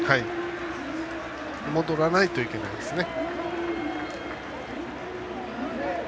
戻らないといけないですね。